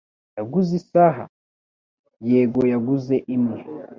"Yaguze isaha?" "Yego, yaguze imwe."